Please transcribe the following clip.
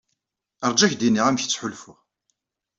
Rju ad k-d-iniɣ amek ttḥulfuɣ.